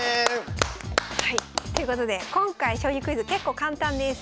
はいということで今回将棋クイズ結構簡単です。